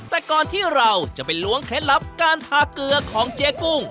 แต่ก่อนที่เราจะไปล้วงเคล็ดลับการทาเกลือของเจ๊กุ้ง